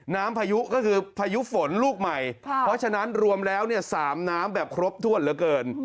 พายุก็คือพายุฝนลูกใหม่เพราะฉะนั้นรวมแล้วเนี่ยสามน้ำแบบครบถ้วนเหลือเกิน